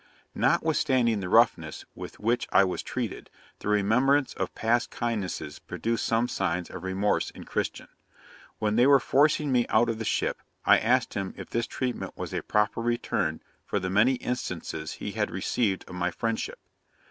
'Notwithstanding the roughness with which I was treated, the remembrance of past kindnesses produced some signs of remorse in Christian. When they were forcing me out of the ship, I asked him if this treatment was a proper return for the many instances he had received of my friendship?